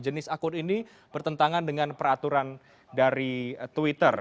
jenis akun ini bertentangan dengan peraturan dari twitter